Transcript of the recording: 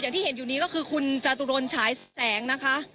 อย่างที่เห็นอยู่นี้ก็คือคุณจตุรนท์ฉายแสง